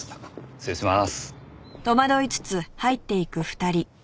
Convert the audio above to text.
失礼します。